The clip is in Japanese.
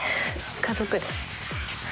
家族で。